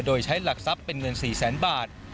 โดยใช้หลักทรัพย์เป็นเงิน๔แสนบาท